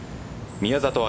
宮里藍